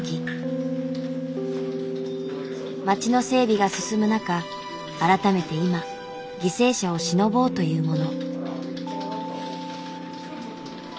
町の整備が進む中改めて今犠牲者をしのぼうというもの。